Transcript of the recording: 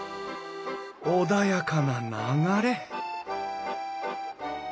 穏やかな流れ